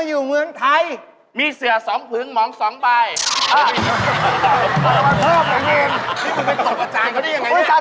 เฮ้ยพี่คุ้งไอ้อะไรนะ